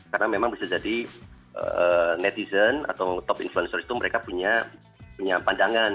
karena memang bisa jadi netizen atau top influencer itu mereka punya pandangan